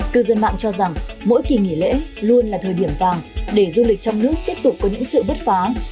cư dân mạng cho rằng mỗi kỳ nghỉ lễ luôn là thời điểm vàng để du lịch trong nước tiếp tục có những sự bứt phá